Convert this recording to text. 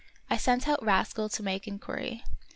I sent out Rascal to make inquiry.